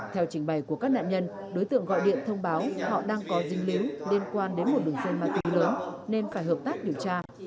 theo trình bày của các nạn nhân đối tượng gọi điện thông báo họ đang có dinh líu liên quan đến một đường dây ma túy lớn nên phải hợp tác điều tra